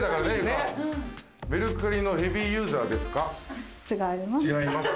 メルカリのヘビーユーザーで違います。